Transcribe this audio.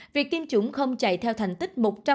việc tiêm chủng không chạy theo thành tích